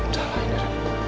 salah ini ren